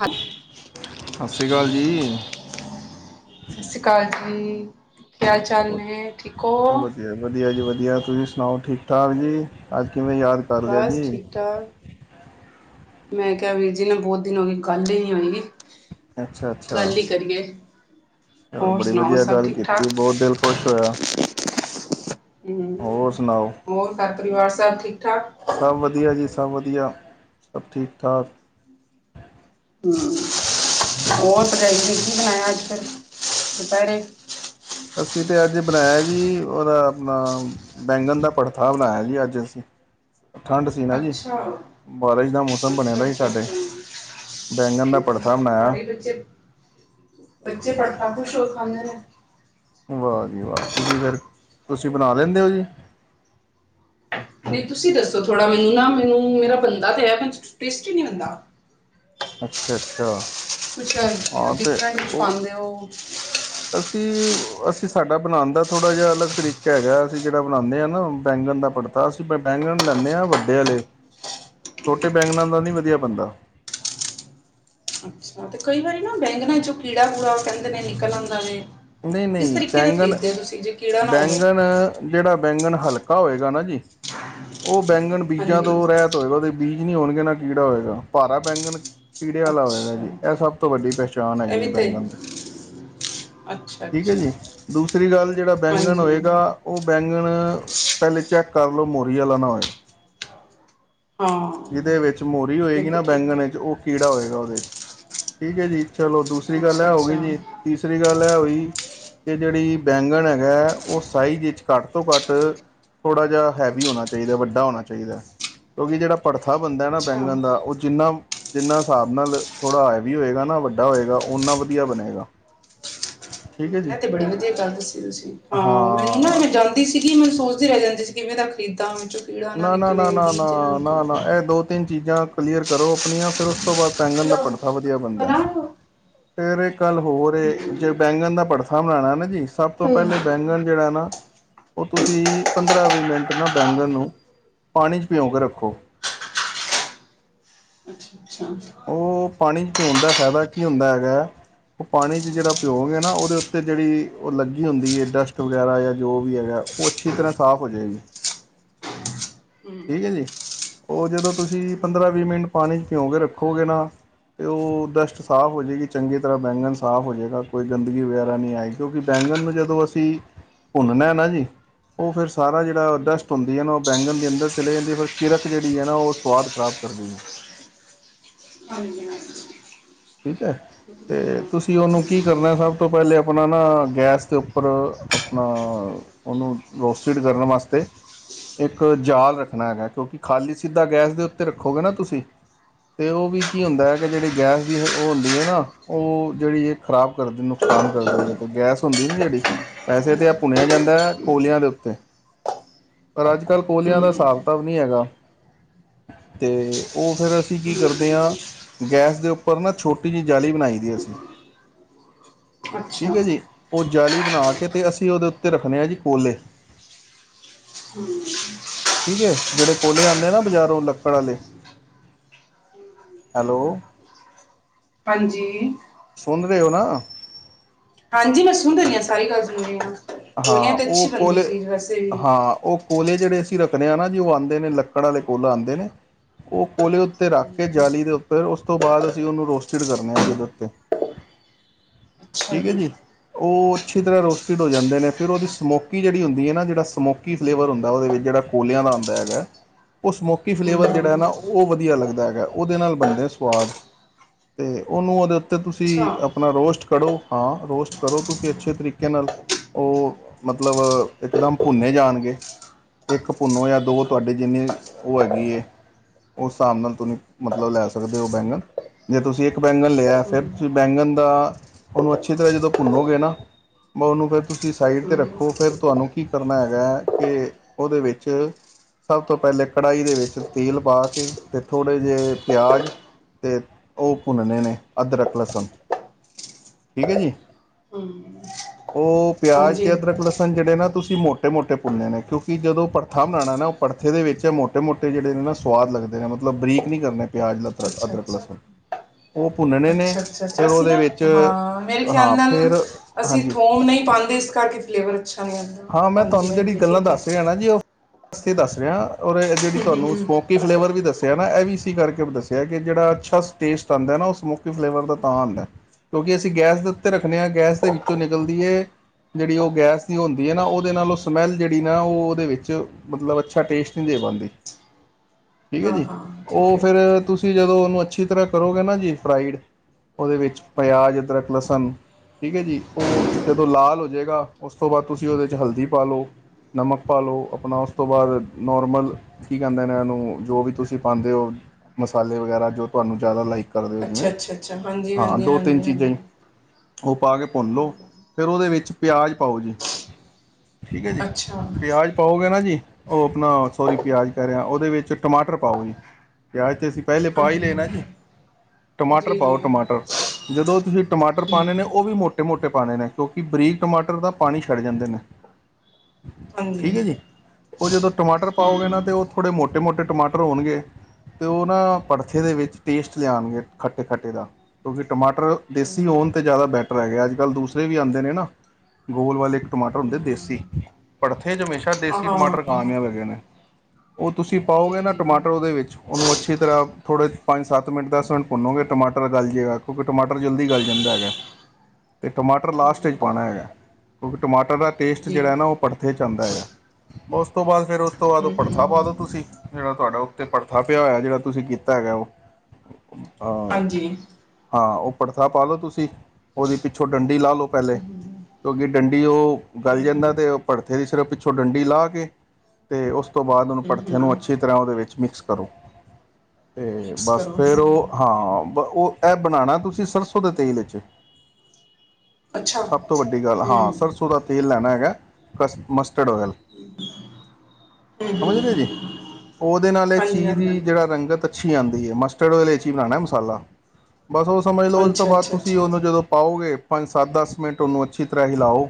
ਹੱਤ ਸਾਸ ਸ੍ਰੀ ਕਾਲ ਜੀ। ਸਾਸ ਸ੍ਰੀ ਕਾਲ ਜੀ। ਕੀ ਹਾਲ ਚਾਲ ਨੇ ਠੀਕ ਹੋ ਵਧੀਆ ਵਧੀਆ ਜੀ-ਵਧੀਆ ਤੁਸੀਂ ਸੁਣਾਓ ਠੀਕ-ਠਾਕ ਜੀ ਅੱਜ ਕਿਵੇਂ ਯਾਦ ਕਰ ਲਿਆ ਬਸ ਜੀ। ਠੀਕ-ਠਾਕ। ਮੈਂ ਕੇਆ ਵੀਰ ਜੀ ਨੂੰ ਬੋਹਤ ਦਿਨ ਹੋ ਗਏ ਗੱਲ ਈ ਨੀ ਹੋਏਗੀ। ਅੱਛਾ ਗੱਲ ਈ ਕਰੀਏ। ਹਾਂ ਹੋਰ ਬੜੀ ਸੁਣਾਓ ਵਧੀਆ ਸਭ ਗੱਲ ਠੀਕ ਠਾਕ ਕੀਤੀ ਬੋਹਤ ਦਿਲ ਖੁਸ਼ ਹੋਯਾ। ਹੂੰ ਸੁਣਾਓ। ਹੋਰ ਕੱਰ-ਪਰਿਵਾਰ ਸਭ ਠੀਕ-ਠਾਕ? ਸਭ ਵਧੀਆ ਜੀ-ਸਭ ਵਧੀਆ ਸਭ ਠੀਕ-ਠਾਕ। ਹੂੰ ਹੋਰ ਪਰਜਾਈ ਨੇ ਕੀ ਬਣਾਯਾ ਅੱਜ ਫੇਰ ਦਪੈਰੇ? ਅਸੀਂ ਤੇ ਅੱਜ ਬਣਾਯਾ ਜੀ ਓਦਾ ਅਪਣਾ ਬੈਂਗਨ ਦਾ ਪੜਥਾ ਬਣਾਯਾ ਜੀ ਅੱਜ ਅਸੀਂ। ਠੰਡ ਸੀ ਨਾ ਜੀ ਅੱਛਾ ਬਾਰਿਸ਼ ਦਾ ਮੌਸਮ ਬਣਿਆ ਅੱਛਾ ਅੱਛਾ ਦਾ ਸੀ ਅੱਛਾ ਸਾਡੇ- ਬੈਂਗਨ ਦਾ ਪੜਥਾ ਬਣਾਯਾ। ਤੁਹਾਡੇ ਬੱਚੇ ਬੱਚੇ ਤਾਂ ਕਾਫੀ ਸ਼ੋਰ ਪਾਂਦੇ ਨੇ। ਵਾ ਜੀ ਵਾ ਤੁਸੀਂ ਫੇਰ ਤੁਸੀਂ ਬਣਾ ਲੈਂਦੇ ਓ ਜੀ। ਨਈ ਤੁਸੀਂ ਦੱਸੋ ਥੋੜ੍ਹਾ ਮੈਨੂੰ ਨਾ ਮੈਨੂੰ ਮੇਰਾ ਬਣਦਾ ਪਯਾ ਪਰ ਟੇਸਟੀ ਨੀ ਬਣਦਾ। ਅੱਛਾ-ਅੱਛਾ। ਕੁਛ ਡਿਫਰੈਂਟ ਪਾਂਦੇ ਓ ਅਸੀਂ, ਅਸੀਂ ਸਾਡਾ ਬਣਾਣ ਦਾ ਥੋੜ੍ਹਾ ਜੇਹਾ ਅਲੱਗ ਤਰੀਕਾ ਹੈਗਾ ਅਸੀਂ ਜੇੜਾ ਬਣਾਣੇ ਆ ਨਾ ਬੈਂਗਨ ਦਾ ਪਰ ਤਾਂ ਅਸੀਂ ਤੇ ਬੈਂਗਣ ਲੈਂਣੇ ਆਂ ਵੱਡੇ ਆਲੇ [unintelligible] ਛੋਟੇ ਬੈਂਗਨਾਂ ਦਾ ਨੀ ਵਧੀਆ ਬਣਦਾ। ਕਈ ਵਾਰੀ ਨਾ ਬੈਂਗਣਾ ਚੋਂ ਕੀੜਾ-ਕੂੜਾ ਓ‌ ਕੈਂਦੇ ਨੇ ਨਿਕਲ ਆਂਦਾ ਵੇ। ਓ ਕਿਸ ਨਈ-ਨਈ ਤਰੀਕੇ ਦੇ ਬੈਂਗਣ ਖਰੀਦਦੇ ਹੋ ਤੁਸੀਂ ਜੇ ਕੀੜਾ ਨਾ ਹੋਵੇ ਬੈਂਗਣ ਜੇੜਾ ਬੈਂਗਣ ਹਲਕਾ ਹੋਏਗਾ ਨਾ ਜੀ ਓ ਬੈਂਗਣ ਬੀਜਾਂ ਤੋਂ ਹਾਂਜੀ ਰੈਤ ਹੋਏਗਾ ਓਦੇ ਬੀਜ ਨੀ ਹੋਣਗੇ ਨਾ ਕੀੜਾ ਹੋਏਗਾ ਪਾਰਾ ਬੈਂਗਣ ਕੀੜੇ ਵਾਲਾ ਹੋਵੇਗਾ ਅੱਛਾ ਜੀ ਐ ਸਭ ਤੋਂ ਵੱਡੀ ਪਹਿਚਾਣ ਇਹ ਹੈਗੀੀ ਏ ਵੀ ਤੇ ਬੈਂਗਨ ਦੀ। ਅੱਛਾ ਠੀਕ ਐ ਅੱਛਾ ਜੀ ਦੂਸਰੀ ਗੱਲ ਜੇੜਾ ਬੈਂਗਨ ਹਾਂਜੀ ਹੋਏਗਾ ਉਹ ਬੈਂਗਣ ਪਹਿਲੇ ਚੈੱਕ ਕਰ ਲਓ ਮੋਰੀ ਵਾਲਾ ਨਾ ਹੋਏ। ਹਾਂ ਜਿਹਦੇ ਵਿੱਚ ਮੋਰੀ ਹੋਏਗੀ ਨਾ ਬਿਲਕੁਲ ਠੀਕ ਬੈਂਗਣ ਹੈ ਵਿੱਚ ਉਹ ਕੀੜਾ ਹੋਏਗਾ ਉਹਦੇ 'ਚ ਠੀਕ ਹੈ ਜੀ, ਚਲੋ ਦੂਸਰੀ ਗੱਲ ਅੱਛਾ ਇਹ ਹੋ ਗਈ ਅੱਛਾ ਜੀ, ਤੀਸਰੀ ਗੱਲ ਇਹ ਹੋਈ ਇਹ ਜਿਹੜੀ ਬੈਂਗਣ ਹੈਗਾ ਉਹ ਸਾਈਜ਼ ਵਿੱਚ ਘੱਟ ਤੋਂ ਘੱਟ ਥੋੜਾ ਜਿਹਾ ਹੈਵੀ ਹੋਣਾ ਚਾਹੀਦਾ ਵੱਡਾ ਹੋਣਾ ਚਾਹੀਦਾ ਕਿਉਂਕਿ ਜਿਹੜਾ ਭੜਥਾ ਬਣਦਾ ਨਾ ਅੱਛਾ ਬੈਂਗਣ ਦਾ ਉਹ ਜਿੰਨਾ ਜਿੰਨਾ ਹਿਸਾਬ ਨਾਲ ਥੋੜ੍ਹਾ ਹੈਵੀ ਹੋਏਗਾ ਨਾ ਵੱਡਾ ਹੋਏਗਾ ਓਨਾ ਵਧੀਆ ਬਣੇਗਾ। ਠੀਕ ਹੈ ਜੀ ਐ ਤੇ ਬੜੀ ਵਧੀਆ ਗੱਲ ਦੱਸੀ ਤੁਸੀਂ ਹਾਂ ਮੈਨੂੰ। ਉਹ ਮੈਂ ਜਾਂਦੀ ਸੀਗੀ, ਮੈਨੂੰ ਸੋਚਦੀ ਰਹਿ ਜਾਂਦੀ ਸੀ ਕਿਵੇਂ ਦਾ ਖਰੀਦਾ ਮੈਂ ਚੋਂ ਨਾ- ਨਾ- ਨਾ -ਨਾ- ਨਾ -ਨਾ- ਨਾ ਇਹ ਦੋ ਤਿੰਨ ਚੀਜ਼ਾਂ ਕਲੀਅਰ ਕਰੋ ਆਪਣੀਆਂ, ਫਿਰ ਉਸ ਤੋਂ ਬਾਅਦ ਬੈਂਗਣ ਦਾ ਭੜਥਾ ਵਧੀਆ ਬਣਦਾ। ਫੇਰ ਇਕ ਗਲ ਹੋਰ ਏ, ਹਮ, ਜੇ ਬੈਂਗਣ ਦਾ ਭੜਥਾ ਬਣਾਉਣਾ ਨਾ ਜੀ ਸਭ ਤੋਂ ਪਹਿਲੇ ਬੈਂਗਣ ਜਿਹੜਾ ਨਾ, ਉਹ ਤੁਸੀਂ ਪੰਦਰਾਂ ਵੀਹ ਮਿੰਟ ਨਾ ਬੈਂਗਣ ਨੂੰ ਪਾਣੀ 'ਚ ਭਿਓਂ ਕੇ ਰੱਖੋ। ਅੱਛਾ- ਅੱਛਾ। ਉਹ ਪਾਣੀ ਚ ਭਿਉਣ ਦਾ ਫਾਇਦਾ ਕੀ ਹੁੰਦਾ ਹੈਗਾ ਹੈ ਉਹ ਪਾਣੀ 'ਚ ਜਿਹੜਾ ਭਿਉਂ ਗਿਆ ਨਾ, ਉਹਦੇ ਉੱਤੇ ਜਿਹੜੀ ਉਹ ਲੱਗੀ ਹੁੰਦੀ ਹੈ ਡਸਟ ਵਗੈਰਾ ਜਾਂ ਜੋ ਵੀ ਹੈਗਾ ਉਹ ਅੱਛੀ ਤਰ੍ਹਾਂ ਸਾਫ਼ ਹੋ ਜਾਵੇਗੀ। ਹਮ, ਠੀਕ ਹੈ ਜੀ, ਉਹ ਜਦੋਂ ਤੁਸੀਂ ਪੰਦਰਾਂ ਵੀਹ ਹਮ। ਮਿੰਟ ਪਾਣੀ ਚ ਭਿਉਂ ਕੇ ਰੱਖੋਗੇ ਨਾ ਅਤੇ ਉਹ ਡਸਟ ਸਾਫ਼ ਹੋ ਜਾਵੇਗੀ ਚੰਗੀ ਤਰ੍ਹਾਂ, ਬੈਂਗਣ ਸਾਫ਼ ਹੋ ਜਾਵੇਗਾ ਕੋਈ ਗੰਦਗੀ ਵਗੈਰਾ ਨਹੀਂ ਆਏਗੀ। ਕਿਉਂਕਿ ਬੈਂਗਣ ਨੂੰ ਜਦੋਂ ਅਸੀਂ ਭੁੰਨਣਾ ਨਾ ਜੀ, ਉਹ ਫਿਰ ਸਾਰਾ ਜਿਹੜਾ ਡਸਟ ਹੁੰਦੀ ਹੈ ਨਾ ਉਹ ਬੈਂਗਣ ਦੇ ਅੰਦਰ ਚਲੇ ਜਾਂਦੀ ਹੈ, ਫਿਰ ਕਿਰਕ ਜਿਹੜੀ ਹੈ ਨਾ ਉਹ ਸਵਾਦ ਖ਼ਰਾਬ ਕਰਦੀ ਹੈ। ਹਾਂਜੀ- ਹਾਂਜੀ। ਠੀਕ ਹੈ। ਅਤੇ ਤੁਸੀਂ ਉਹਨੂੰ ਕੀ ਕਰਨਾ, ਸਭ ਤੋਂ ਪਹਿਲੇ ਆਪਣਾ ਨਾ ਗੈਸ ਦੇ ਉੱਪਰ ਆਪਣਾ ਉਹਨੂੰ ਰੋਸਟਿਡ ਕਰਨ ਵਾਸਤੇ ਇੱਕ ਜਾਲ ਰੱਖਣਾ ਹੈਗਾ, ਕਿਉਂਕਿ ਖਾਲੀ ਸਿੱਧਾ ਗੈਸ ਦੇ ਉੱਤੇ ਰੱਖੋਗੇ ਨਾ ਤੁਸੀਂ ਤੇ ਉਹ ਵੀ ਕੀ ਹੁੰਦਾ ਹੈ ਕਿ ਜਿਹੜੀ ਗੈਸ ਦੀ ਉਹ ਹੁੰਦੀ ਹੈ ਨਾ ਉਹ ਜਿਹੜੀ ਖ਼ਰਾਬ ਕਰਦੀ, ਨੁਕਸਾਨ ਕਰਦੀ, ਤੇ ਗੈਸ ਹੁੰਦੀ ਨਾ ਜਿਹੜੀ ਵੈਸੇ ਤੇ ਐ ਭੁਨਿੰਆ ਜਾਂਦਾ ਹੈ ਕੋਲਿਆਂ ਦੇ ਉੱਤੇ। ਪਰ ਅੱਜ ਕੱਲ੍ਹ ਕੋਲਿਆਂ ਦਾ ਹਿਸਾਬ ਕਿਤਾਬ ਨਹੀਂ ਹੈਗਾ। ਤੇ ਉਹ ਫੇਰ ਅਸੀਂ ਕੀ ਕਰਦੇ ਹਾਂ ਗੈਸ ਦੇ ਉੱਪਰ ਨਾ ਛੋਟੀ ਜਿਹੀ ਜਾਲੀ ਬਣਾਈ ਦੀ ਆ ਅਸੀ, ਅੱਛਾ ਠੀਕ ਹੈ ਜੀ। ਉਹ ਜਾਲੀ ਬਣਾ ਕੇ ਤੇ ਅਸੀਂ ਉਹਦੇ ਉੱਤੇ ਰੱਖਣੇ ਆ ਜੀ ਕੋਲੇ। ਹਮ। ਠੀਕ ਹੈ, ਜਿਹੜੇ ਕੋਲੇ ਆਉਂਦੇ ਆ ਨਾ ਬਜ਼ਾਰੋਂ ਲੱਕੜ ਵਾਲੇ। ਹੈਲੋ। ਹਾਂਜੀ। ਸੁਣ ਰਹੇ ਹੋ ਨਾ? ਹਾਂਜੀ, ਮੈਂ ਸੁਣ ਰਹੀ ਹਾਂ ਸਾਰੀ ਗੱਲ ਸੁਣ ਰਹੀ ਆ। ਹਾਂ ਉਹ ਕੋਲੇ ਵੀ ਹਾਂ ਉਹ ਕੋਲੇ ਜਿਹੜੇ ਅਸੀਂ ਰੱਖਣੇ ਆ ਨਾ ਜੀ ਉਹ ਆਉਂਦੇ ਨੇ ਲੱਕੜ ਵਾਲੇ ਕੋਲੇ ਆਉਂਦੇ ਨੇ। ਉਹ ਕੋਲੇ ਉੱਤੇ ਰੱਖ ਕੇ ਜਾਲੀ ਦੇ ਉੱਤੇ, ਉਸ ਤੋਂ ਬਾਅਦ ਅਸੀਂ ਉਹਨੂੰ ਰੋਸਟਿਡ ਕਰਨੇ ਆ ਜੀ ਔਦੇ ਉੱਤੇ। ਹ ਠੀਕ ਹੈ ਜੀ ਉਹ ਅੱਛੀ ਤਰ੍ਹਾਂ ਰੋਸਟਡ ਹੋ ਜਾਂਦੇ ਨੇ ਫਿਰ ਉਹਦੀ ਸਮੋਕੀ ਜਿਹੜੀ ਹੁੰਦੀ ਨਾ ਜਿਹੜਾ ਸਮੋਕੀ ਫਲੇਵਰ ਹੁੰਦਾ ਉਹਦੇ ਵਿੱਚ ਜਿਹੜਾ ਕੋਲਿਆਂ ਦਾ ਆਉਂਦਾ ਹੈਗਾ ਉਹ ਸਮੋਕੀ ਹਮ ਫਲੇਵਰ ਜਿਹੜਾ ਹੈ ਹਮ ਨਾ ਉਹ ਵਧੀਆ ਲੱਗਦਾ ਹੈਗਾ ਉਹਦੇ ਨਾਲ ਬਣਦੇ ਸਵਾਦ ਤੇ ਉਹਨੂੰ ਉਹਦੇ ਉੱਤੇ ਅੱਛਾ ਤੁਸੀਂ ਆਪਣਾ ਰੋਸਟ ਕਰੋ ਹਾਂ ਰੋਸਟ ਕਰੋ ਤੁਸੀਂ ਅੱਛੇ ਤਰੀਕੇ ਨਾਲ ਉਹ ਮਤਲਬ ਇੱਕਦਮ ਭੁੰਨੇ ਜਾਣਗੇ ਇੱਕ ਭੁੰਨੋ ਜਾਂ ਦੋ ਤੁਹਾਡੇ ਜਿੰਨੀ ਉਹ ਹੈਗੀ ਐ ਉਸ ਹਿਸਾਬ ਨਾਲ ਤੁਹਾਨੂੰ ਮਤਲਬ ਲੈ ਸਕਦੇ ਹੋ ਬੈਂਗਣ ਜੇ ਤੁਸੀਂ ਇੱਕ ਬੈਂਗਣ ਲਿਆ ਫਿਰ ਹਮ ਤੁਸੀਂ ਬੈਂਗਣ ਦਾ ਉਹਨੂੰ ਅੱਛੀ ਤਰ੍ਹਾਂ ਜਦੋਂ ਭੁੰਨੋਗੇ ਨਾ ਮੰਨੂ ਫਿਰ ਤੁਸ ਤੁਸੀਂ ਸਾਈਡ 'ਤੇ ਹਮ ਰੱਖੋ ਫਿਰ ਤੁਹਾਨੂੰ ਕੀ ਕਰਨਾ ਹੈਗਾ ਕਿ ਉਹਦੇ ਵਿੱਚ ਸਭ ਤੋਂ ਪਹਿਲੇ ਕੜਾਹੀ ਦੇ ਵਿੱਚ ਤੇਲ ਪਾ ਕੇ ਤੇ ਥੋੜੇ ਜਿਹੇ ਪਿਆਜ਼ ਤੇ ਉਹ ਭੁੰਨ ਨੇ ਅਦਰਕ ਲਸਣ ਠੀਕ ਹੈ ਜੀ ਹਮ ਉਹ ਪਿਆਜ ਹਾਂਜੀ ਤੇ ਅਦਰਕ ਲਸਣ ਜਿਹੜੇ ਨਾ ਤੁਸੀਂ ਮੋਟੇ ਮੋਟੇ ਭੁੰਨੇ ਨੇ ਕਿਉਂਕ ਜਦੋਂ ਪਰਥਾ ਬਨਾਉਣਾ ਨਾ ਉਹ ਪਰਥੇ ਦੇ ਵਿੱਚ ਮੋ ਮੋਟੇ ਜਿਹੜੇ ਨੇ ਨਾ ਸਵਾਦ ਲੱਗਦੇ ਨੇ ਮਤਲਬ ਬਰੀਕ ਨਹੀਂ ਕਰਨੇ ਪਿਆਜ਼ ਅਦਰਕ ਅੱਛਾ ਅਦਰਕ ਅੱਛਾ ਲਸਣ ਉਹ ਭੁੰਨਣੇ ਨੇ ਅੱਛਾ ਅੱਛਾ ਅੱਛਾ ਫਿਰ ਅਸੀਂ ਉਹਦੇ ਨਾ ਵਿੱਚ ਹਾਂ ਮੇਰੇ ਖਿਆਲ ਹਾਂ ਨਾਲ ਫਿਰ ਅਸੀਂ ਹਾਂਜੀ ਥੋਮ ਨਹੀਂ ਪਾਉਂਦੇ ਇਸ ਕਰਕੇ ਫਲੇਵਰ ਨਹੀਂ ਆਉਂਦਾ ਹਾਂ ਮੈਂ ਹਾਂਜੀ ਤੁਹਾਨੂੰ ਜਿਹੜੀ ਹਾਂਜੀ ਗੱਲਾਂ ਠੀਕ ਹੈ ਦੱਸ ਰਿਹਾ ਨਾ ਜੀ ਉਹ ਵਾਸਤੇ ਦੱਸ ਰਿਹਾ ਔਰ ਜਿਹੜੀ ਤੁਹਾਨੂੰ ਸਮੋਕ ਸਮੋਕੀ ਫਲੇਵਰ ਵੀ ਦੱਸਿਆ ਨਾ ਇਹ ਵੀ ਸੀ ਕਰਕੇ ਦੱਸਿਆ ਕਿ ਜਿਹੜਾ ਅੱਛਾ ਟੇਸਟ ਆਉਂਦਾ ਨਾ ਉਹ ਸਮੋਕੀ ਫਲੇਵਰ ਦਾ ਤਾਂ ਆਉਂਦਾ ਕਿਉਂਕਿ ਅਸੀਂ ਗੈਸ ਦੇ ਉੱਤੇ ਹਮ ਰੱਖਣੇ ਹਾਂ ਗੈਸ ਦੇ ਵਿੱਚੋਂ ਨਿਕਲਦੀ ਹੈ ਜਿਹੜੀ ਉਹ ਗੈਸ ਦੀ ਹੁੰਦ ਹੁੰਦੀ ਹੈ ਨਾ ਉਹਦੇ ਨਾਲੋਂ ਸਮੈੱਲ ਜਿਹੜੀ ਨਾ ਉਹ ਉਹਦੇ ਵਿੱਚ ਮਤਲਬ ਅੱਛਾ ਟੇਸਟ ਨਹੀਂ ਦੇ ਪਾਉਂਦੀ ਠੀਕ ਹੈ ਹਾਂ ਜੀ ਹਾਂ ਠੀਕ ਉਹ ਹੈ ਫਿਰ ਠੀਕ ਹੈ ਤੁਸੀਂ ਹਾਂਜੀ ਜਦੋਂ ਉਹਨੂੰ ਅੱਛੀ ਤਰ੍ਹਾਂ ਕਰੋਗੇ ਨਾ ਜੀ ਫਰਾਈਡ ਉਹਦੇ ਵਿੱਚ ਪਿਆਜ਼ ਅਦਰਕ ਲਸਣ ਠੀਕ ਹੈ ਜੀ ਉਹ ਜਦੋਂ ਲਾਲ ਹੋ ਜਾਏਗਾ ਉਸ ਤੋਂ ਬਾਅਦ ਤੁਸੀਂ ਉਹਦੇ ਹਲਦੀ ਪਾ ਲਓ ਨਮਕ ਪਾ ਲੋ ਆਪਣਾ ਉਸ ਤੋਂ ਬਾਅਦ ਨੋਰਮਲ ਕੀ ਕਹਿੰਦੇ ਇਹਨੂੰ ਜੋ ਵੀ ਤੁਸੀਂ ਪਾਉਂਦੇ ਹੋ ਮਸਾਲੇ ਵਗੈਰਾ ਜੋ ਤੁਹਾਨੂੰ ਜ਼ਿਆਦਾ ਲਾਈਕ ਅੱਛਾ ਦਰਦ ਅੱਛਾ ਅੱਛਾ ਹਾਂਜੀ [unintelligible] ਹਾਂ ਹਾਂਜੀ ਦੋ ਤਿੰਨ ਹਾਂਜੀ ਚੀਜ਼ਾਂ ਹੀ ਹਾਂਜੀ ਉਹ ਪਾ ਕੇ ਭੁੰਨ ਲਓ ਫਿਰ ਉਹਦੇ ਵਿੱਚ ਪਿਆਜ ਪਾਓ ਜੀ ਠੀਕ ਹੈ ਜੀ ਅੱਛਾ ਪਿਆਜ ਪਾਓਗੇ ਜੀ ਉਹ ਆਪਣਾ ਸੋਰੀ ਪਿਆਜ਼ ਕਹਿ ਰਿਹਾ ਉਹਦੇ ਵਿੱਚ ਟਮਾਟਰ ਪਾਓ ਜੀ ਪਿਆਜ਼ 'ਤੇ ਅਸੀਂ ਪਹਿਲੇ ਪਾ ਹੀ ਹਾਂਜੀ ਲੈ ਜੀ ਹਾਂਜੀ ਟਮਾਟਰ ਜੀ ਪਾਓ ਜੀ ਟਮਾਟਰ ਜਦੋਂ ਤੁਸੀਂ ਟਮਾਟਰ ਪਾਉਂਣੇ ਨੇ ਹਾਂਜੀ ਉਹ ਵੀ ਮੋਟੇ ਮੋਟੇ ਪਾਉਣੇ ਨੇ ਕਿਉਂਕਿ ਬਰੀਕ ਟਮਾਟਰ ਦਾ ਪਾਣੀ ਛੱਡ ਜਾਂਦੇ ਨੇ ਠੀਕ ਹੈ ਜੀ ਹੂੰ ਉਹ ਜਦੋਂ ਟਮਾਟਰ ਪਾਓਗੇ ਨਾ ਤੇ ਉਹ ਥੋੜੇ ਮੋਟੇ ਮੋਟੇ ਟਮਾਟਰ ਹੋਣਗੇ ਤੇ ਉਹ ਨਾ ਭਰਥੇ ਦੇ ਵਿੱਚ ਟੇਸਟ ਲਿਆਣਗੇ ਖੱਟੇ -ਖੱਟੇ ਦਾ ਕਿਉਂਕਿ ਟਮਾਟਰ ਦੇਸੀ ਹੋਣ ਤੇ ਜ਼ਿਆਦਾ ਬੈਟਰ ਹੈਗੇ ਅੱਜ ਕੱਲ ਦੂਸਰੇ ਵੀ ਆਂਦੇ ਨੇ ਨਾ ਗੋਲ ਵਾਲੇ ਟਮਾਟਰ ਹੂੰ ਹੁੰਦੇ ਦੇਸੀ ਹੂੰ ਭੜਥੇ ਚ ਹਮੇਸ਼ਾ ਹਾਂ ਦੇਸੀ ਟਮਾਟਰ ਹਾਂ ਕਾਮਯਾਬ ਹੈਗੇ ਨੇ ਉਹ ਤੁਸੀਂ ਪਾਓਗੇ ਜੀ ਨਾ ਜੀ ਟਮਾਟਰ ਉਹਦੇ ਵਿੱਚ ਉਹਨੂੰ ਅੱਛੀ ਤਰ੍ਹਾਂ ਥੋੜੇ ਪੰਜ ਸੱਤ ਮਿੰਟ ਦਸ ਮਿੰਟ ਭੁੰਨੋਗੇ ਟਮਾਟਰ ਗਲ ਜਾਏਗਾ ਰੱਖੋ ਟਮਾਟਰ ਜਲਦੀ ਗਲ ਜਾਂਦਾ ਹੈਗਾ ਤੇ ਟਮਾਟਰ ਹਾਂਜੀ ਲਾਸਟ 'ਚ ਪਾਣਾ ਹੈਗਾ ਕਿਉਂਕਿ ਟਮਾਟਰ ਦਾ ਟੇਸਟ ਜੀ ਜਿਹੜਾ ਹੈ ਨਾ ਹੂੰ ਉਹ ਭੜਥੇ 'ਚ ਆਂਦਾ ਹੈਗਾ ਉਸ ਤੋਂ ਬਾਅਦ ਫਿਰ ਉਸ ਤੋਂ ਬਾਅਦ ਉਹ ਭੜਥਾ ਹੂੰ ਪਾ ਦੋ ਤੁਸੀਂ ਜਿਹੜਾ ਤੁਹਾਡਾ ਉੱਤੇ ਭੜਥਾ ਪਿਆ ਹੋਇਆ ਜਿਹੜਾ ਤੁਸੀਂ ਕੀਤਾ ਹੈਗਾ ਉਹ ਆਹੋ ਹਾਂਜੀ ਹਾਂ ਉਹ ਭੜਥਾ ਪਾ ਲਓ ਤੁਸੀਂ ਉਹਦੀ ਪਿੱਛੋਂ ਡੰਡੀ ਲਾ ਲਓ ਪਹਿਲੇ ਕਿਉਂਕਿ ਡੰਡੀ ੲਹ ਹੂੰ ਗੱਲ ਹੂੰ ਜਾਂਦਾ ਤੇ ਭੜਥੇ ਦੀ ਸਿਰਫ ਪਿੱਛੋਂ ਡੰਡੀ ਲਾ ਕੇ ਤੇ ੳਸ ਤੋਂ ਬਾਦ ੳਨੂੰ ਹੂੰ ਭੜਥੇ ਨੂੰ ਹੂੰ ਅੱਛੀ ਤਰਾਂ ੳਰੇ ਵਿੱਚ ਮਿਕਸ ਕਰੋ ਤੇ ਮਿਕਸ ਬਸ ਕਰੋ ਫੇਰ ਹੂੰ ੳਹ ਹਾਂ ਬ ਉਹ ਏ ਬਨਾਨਾ ਤੁਸੀ ਸਰਸੋਂ ਦੇ ਤੇਲ ਚ ਏ ਅੱਛਾ ਸਭ ਹੂੰ ਤੋਂ ਵੱਡੀ ਗੱਲ ਹਾਂ ਸਰਸੋਂ ਦਾ ਤੇਲ ਲੈਣਾ ਹੈਗਾ ਕਸ ਮਸਟਰਡ ਓੲਲ ਹੂੰ ਸਮਝ ਹੂੰ ਰਏ ਜੀ, ੳਦੇ ਨਾਲ ਏਹ ਹਾਂਜੀ ਚੀਜ ਦੀ ਹਾਂਜੀ ਜੇੜਾ ਰੰਗਤ ਅੱਛੀ ਆਂਦੀ ਏ। ਮਸਟਰਡ ਓੲਲ ਚ ਈ ਬਨਾਨਾ ਮਸਾਲਾ ਬਸ ੳਹ ਸਮਝ ਲੋ ੳਸ ਤੋਂ ਅੱਛਾ ਬਾਦ ਅੱਛਾ ਤੁਸੀ ਅੱਛਾ ੳਨੂੰ ਜਦੋਂ ਪਾਓਗੇ ਪੰਜ-ਸੱਤ-ਦਸ ਮਿੰਟ ੳਨੂੰ ਅੱਛੀ ਤਰਾ ਹਿਲਾਓ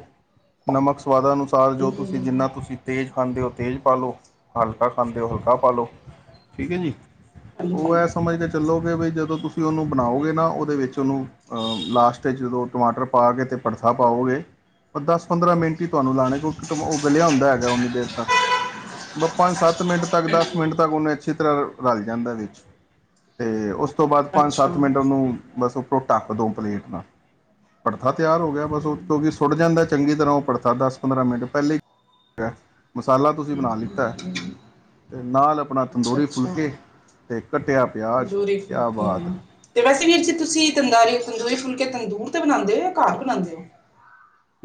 ਨਮਕ ਸਵਾਦਾਨੁਸਾਰ ਜੋ ਤੁਸੀ ਜਿੰਨਾ ਤੁਸੀ ਤੇਜ ਖਾਂਦੇ ਹੳ ਤੇਜ ਪਾ ਲੋ, ਹਲਕਾ ਖਾਂਦੇ ੳ ਹਲਕਾ ਪਾ ਲੋ, ਠੀਕ ਏ ਜੀ। ਹਾਂਜੀ ਓਹ ਏ ਸਮਝ ਕੇ ਚੱਲੋ ਵੀ ਜਦੋ ਤੁਸੀ ੳਨੂੰ ਬਨਾਓਗੇ ਨਾ ੳਦੇ ਵਿੱਚ ੳਨੂੰ ਹਾਂ ਲਾਸਟ ਚ ਜਦੋ ਟਮਾਟਰ ਪਾ ਕੇ ਤੇ ਭੜਥਾ ਪਾਓਗੇ ਬਸ ਦਸ-ਪੰਦਰਾਂ ਮਿੰਟ ਈ ਤਾਨੂੰ ਲਾਨੇ ਕਿਉਂਕਿ ੳਹ ਗਲੇਆ ਹੁੰਦਾ ਹੈਗਾ ਓਨੀ ਦੇਰ ਤੱਕ ਬਸ ਪੰਜ- ਸੱਤ ਮਿੰਟ ਤੱਕ, ਦਸ ਮਿੰਟ ਤੱਕ, ੳਨੇ ਅੱਛੀ ਤਰਾ ਰਲ ਜਾਂਦਾ ਵਿੱਚ ਤੇ ੳਸ ਤੋਂ ਬਾਦ ਅੱਛਾ ਪੰਜ-ਸੱਤ ਮਿੰਟ ਹੂੰ ੳਨੂੰ ਬਸ ਉੱਪਰੋ ਢੱਕ ਦੋ ਪਲੇਟ ਨਾਲ ਭੜਥਾ ਤੇਆਰ ਹੋ ਗਿਆ ਬਸ ੳਤੋ ਦਾ ਚੰਗੀ ਤਰਾ ੳਹ ਭੜਥਾ ਦਸ-ਪੰਦਰਾਂ ਮਿੰਟ ਪੈਲੇ ਈ ਮਸਾਲਾ ਤੁਸੀ ਬਨਾ ਲਿਤਾ ਐ। ਤੇ ਨਾਲ ਅਪਨਾ ਅੱਛਾ ਤੰਦੂਰੀ ਅੱਛਾ ਫੁਲਕੇ ਤੇ ਕੱਟੇਆ ਪਿਆਜ, ਤੰਦੂਰੀ ਕਯਾ ਫੁਲਕੇ ਬਾਤ ਏ। ਤੇ ਵੈਸੇ ਵੀਰ ਜੀ ਤੁਸੀ ਤਦਾਰੀ ਤੰਦੂਰੀ ਫੁਲਕੇ ਤੰਦੂਰ ਤੇ ਬਨਾਦੇ ੳ ਜਾਂ ਘਰ ਬਨਾਦੇ ੳ।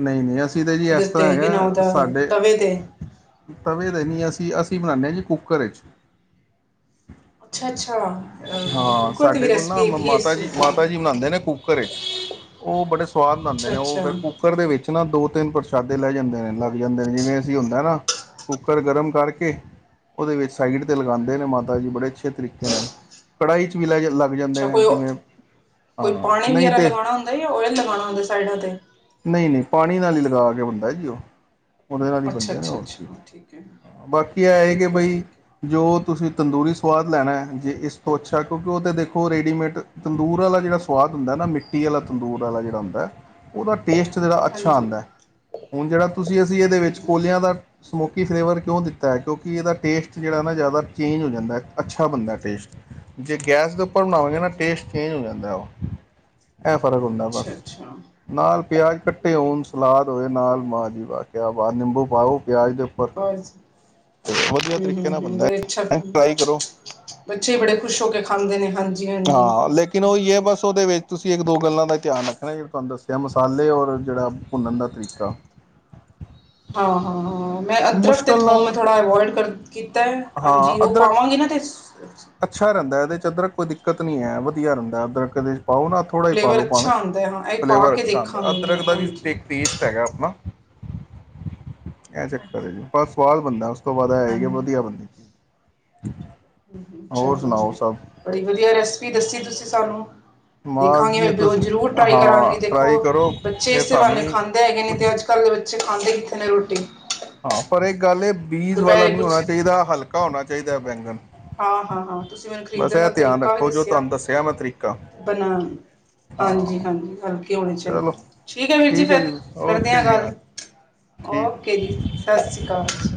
ਨਈ ਨਈ। ਅਸੀ ਤੇ ਜੀ ਏਸਰਾਂ ਉੱਤੇ ਕਿ ਨਾ ਹੈਗਾ ਉਹਦਾ ਸਾਡੇ ਤਵੇ ਤੇ ਤਵੇ ਤੇ ਨੀ, ਅਸੀ-ਅਸੀ ਬਨਾਨੇ ਆ ਜੀ ਕੁੱਕਰ ਏਚ। [inaudible] ਅ ਹਾਂ ਬਿਲਕੁਲ ਦੀ ਵੀ ਸਾਡੇ ਕੋਲ ਨਾ ਰੈਸਪੀ ਮਮ ਹੈਗੀ ਏ ਇਸ ਮਾਤਾ ਜੀ, ਚੀਜ਼ ਮਾਤਾ ਦੀ। ਜੀ ਬਨਾਦੇ ਨੇ ਕੂਕਰ ਏਚ। ੳ ਬੜੇ ਸੁਆਦ ਬਨਾਦੇ ਨੇ, ੳਹ ਅੱਛਾ-ਅੱਛਾ, ਫੇਰ ਕੂਕ ਅੱਛਾ ਕੁੱਕਰ ਦੇ ਵਿਚ ਨਾ ਦੋ-ਤਿੰਨ ਪ੍ਰਸ਼ਾਦੇ ਲੈ ਜਾਂਦੇ ਨੇ, ਲੱਗ ਜਾਂਦੇ ਨੇ। ਜਿਵੇਂ ਅਸੀ ਹੁੰਦਾ ਏ ਨਾ ਕੁੱਕਰ ਗਰਮ ਕਰਕੇ ੳਦੇ ਵਿੱਚ ਸਾਈਡ ਤੇ ਲਗਾਂਦੇ ਨੇ ਮਾਤਾ ਜੀ ਬੜੇ ਅੱਛੇ ਤਰੀਕੇ ਨਾਲ। ਕੜਾਹੀ ਚ ਵੀ ਲੈ, ਲਗ ਅੱਛਾ ਕੋਈ ੳ, ਕੋਈ ਪਾਨੀ ਨਹੀਂ ਵਗੈਰਾ ਤੇ ਲਗਾਨਾ ਹੁੰਦਾ ਜਾਂ ਓਯਲ ਲਗਾਨਾ ਹੁੰਦਾ ਸਾਈਡਾ ਤੇ ਨਈ-ਨਈ, ਪਾਨੀ ਨਾਲ ਈ ਲਗਾ ਕੇ ਬਨਦਾ ਏ ਜੀ ੳ ਓਦੇ ਨਾਲ ਹੀ ਬਨਦੇ ਨੇ ਹੋਰ ਕੀ, ਅੱਛਾ-ਅੱਛਾ-ਅੱਛਾ ਠੀਕ ਐ, ਬਾਕੀ ਏਹ ਏ ਕਿ ਠੀਕ ਐ, ਠੀਕ ਬਈ ਐ। ਜੋ ਤੁਸੀ ਤੰਦੂਰੀ ਸਵਾਦ ਲੈਨਾ ਜੇ ਇਸ ਤੋਂ ਅੱਛਾ, ਕਿਉਂਕਿ ੳ ਤੇ ਦੇਖੋ ਓਹ ਰੇਡੀਮੇਡ ਤੰਦੂਰ ਆਲਾ ਜੇੜਾ ਸਵਾਦ ਹੁੰਦਾ ਨਾ, ਮਿੱਟੀ ਆਲਾ ਤੰਦੂਰ ਆਲਾ ਜੇੜਾ ਹੁੰਦਾ ੳਦਾ ਟੇਸਟ ਜੇੜਾ ਅੱਛਾ ਹਾਂਜੀ, ਆਂਦਾ, ਹੁਨ ਜੇੜਾ ਤੁਸੀ ਅਸੀ ਏਦੇ ਵਿੱਚ ਹਾਂਜੀ, ਕੋਲੇਆਂ ਦਾ ਸਮੋਕੀ ਫਲੇਵਰ ਕਉਂ ਦਿੱਤਾ ਏ ਕਿਉਂਕਿ ਏਦਾ ਟੇਸਟ ਜੇੜਾ ਨਾ ਜਾਦਾ ਚੇਂਜ ਹੋ ਜਾਂਦਾ, ਅੱਛਾ ਬਨਦਾ ਟੇਸਟ ਜੇ ਗੈਸ ਦੇ ਉਪਰ ਬਨਾਵਾਂਗੇ ਨਾ ਹਾਂਜੀ ਟੇਸਟ ਚੇਂਜ ਹੋ ਜਾਂਦਾ ੳ। ਏ ਫਰਕ ਹੁੰਦਾ ਬਸ ਅੱਛਾ-ਅੱਛਾ ਨਾਲ ਪਿਆਜ ਕੱਟੇ ਹੋਨ, ਸਲਾਦ ਹੋਏ ਨਾਲ ਵਾਹ ਜੀ ਵਾਹ, ਕਯਾ ਬਾਾਤ, ਨਿੰਬੂ ਪਾਓ ਪਿਆਜ ਦੇ ਉਪਰ, ਬਸ ਵਧੀਆ ਤਰੀਕੇ ਨਾਲ ਹੂੰ-ਹੂੰ-ਹੂੰ ਬਨਦਾ ਬੜੇ ਅੱਛਾ ਏ, ਫਰਾਈ ਕਰੋ ਬੱਚੇ ਬੜੇ ਖੁਸ਼ ਹੋ ਕੇ ਖਾਂਦੇ ਨੇ ਹਾਂਜੀ-ਹਾਂਜੀ। ਹਾਂ ਲੇਕਿਨ ੳਈ ਏ ਜ਼ਰੂਰ ਬਸ ੳਦੇ ਵਿੱਚ ਤੁਸੀ ਏਕ-ਦੋ ਗੱਲਾਂ ਦਾ ਈ ਧਿਆਨ ਰੱਖਨਾ ਜੇੜੀ ਤਾਨੂੰ ਦੱਸ ਜਾਂ ਮਸਾਲੇ ਔਰ ਜੇੜਾ ਭੁੰਨਨ ਦਾ ਤਰੀਕਾ। ਹਾਂ ਹਾਂ ਹਾਂ ਮੈਂ ਅਦਰਕ ਤੇ ਮੁਸ਼ਕਿਲ ਥੋਮ ਨਾਲ ਮੈਂ ਥੋੜਾ ਅਵਾੲਡ ਕਰ ਕੀਤਾ ਐ ਹਾਂਜੀ ਹਾਂ ੳਹ ਅਦਰਕ ਪਾਵਾਂਗੀ ਨਾ ਤੇ ਅੱਛਾ ਰੇਂਦਾ ਏਦੇ ਚ ਅਦਰਕ, ਕੋਈ ਦਿੱਕਤ ਨਈ ਹੈ, ਵਧੀਆ ਰੇਂਦਾ ਅਦਰਕ ਏਦੇ ਚ ਪਾਓ ਨਾ ਥੋੜਾ ਈ ਪਾ ਫਲੇਵਰ ਲੋ ਅੱਛਾ ਪਾਵੇਂ, ਆਉਂਦਾ ਹੈ ਹਾਂ ਇਹ ਪਾ ਫਲੇਵਰ ਕੇ ਅੱਛਾ ਆਂਦਾ ਦੇਖਾਂਗੀ ਮੈਂ ਅਦਰਕ ਦਾ ਵੀ ਹਾਂਜੀ। ਏਕ ਟੇਸਟ ਹੈਗਾ ਅਪਨਾ, ਏ ਚੱਕਰ ਏ ਹਾਂਜੀ ਜੀ, ਪਰ ਸਵਾਦ ਬਨਦਾ ਸਭ ਤੋਂ ਵਧ ਐ ਹੈ ਕਿ ਹਾਂਜੀ। ਵਧੀਆ ਬਨਦੀ ਚੀਜ। ਹੋਰ ਚਲੋ ਜੀ ਸੁਣਾਓ ਸਭ। ਬੜੀ ਵਦੀਆ ਰੈਸਪੀ ਦੱਸੀ ਤੁਸੀ ਸਾਨੂੰ ਬਸ ਦੇਖਾਂਗੀ ਜੀ ਮੈਂ ਬਲੋ ਤੁਸੀਂ ਜ਼ਰੂਰ ਟਰਾਈ ਕਰਾਂਗੀ ਹਾਂ ਦੇਖੋ, ਟਰਾਈ ਕਰੋ ਬੱਚੇ ਫਿਰ ਐਸੇ ਸਾਨੂੰ ਬਾਨੇ ਵੀ ਖਾਂਦੇ ਹੈਗੇ ਨੇ ਕੁਛ ਤੇ ਅੱਜ ਕੱਲ ਦੇ ਬੱਚੇ ਖਾਂਦੇ ਕਿੱਥੇ ਨੇ ਰੋਟੀ ਹਾਂ, ਪਰ ਏਕ ਗਾੱਲ ਏ ਬੀਜ ਵਾਲਾ ਦੁਪਹਿਰੇ ਨੀ ਹੋਨਾ ਕੁਛ ਚਾਈਦਾ, ਹਲਕਾ ਹੋਨਾ ਚਾਈਦੈ ਬੈਂਗਨ। ਹਾਂ, ਹਾਂ-ਹਾਂ ਤੁਸੀ ਮੈਨੂੰ ਖ਼ਰੀਦਨ ਦਾ ਤਰੀਕਾ ਵੀ ਰੱਖੋ ਜੋ ਦੱਸੇਆ ਤੁਹਾਨੂੰ ਦੱਸਿਆ ਮੈਂ ਤਰੀਕਾ ਤੇ ਬਨਾਨ, ਹਾਂ ਹਾਂਜੀ-ਹਾਂਜੀ, ਹਾਂਜੀ। ਕੇ ਹੋਨੇ ਚਲੋ ਚਾਈਦੇ, ਠੀਕ ਐ ਵੀਰ ਜੀ ਹੈ ਫੇਰ ਕਰਦੇ ਆ ਓਕੇ ਜੀ ਗਾੱਲ, ਹਾਂ ਠੀਕ ਹੈ ਓਕੇ ਜੀ। ਸਾੱਸੀ ਕਾਲ ਜੀ।